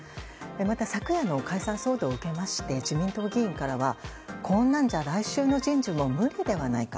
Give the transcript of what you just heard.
また昨夜の解散騒動を受けまして、自民党議員からはこんなんじゃ来週の人事も無理ではないか。